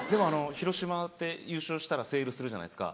広島って優勝したらセールするじゃないですか。